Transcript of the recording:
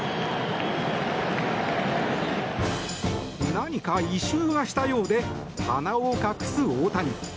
何か異臭がしたようで鼻を隠す大谷。